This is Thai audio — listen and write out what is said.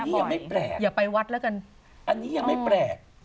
นี่ยังไม่แปลกอย่าไปวัดแล้วกันอันนี้ยังไม่แปลก